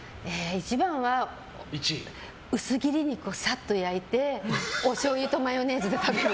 一番は薄切り肉をサッと焼いておしょうゆとマヨネーズで食べる。